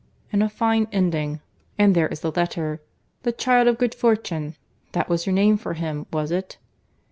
— And a fine ending—and there is the letter. The child of good fortune! That was your name for him, was it?"